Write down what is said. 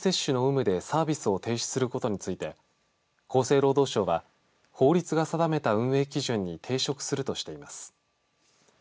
ワクチン接種の有無でサービスを停止することについて厚生労働省は法律が定めた運営基準に抵触するとしています。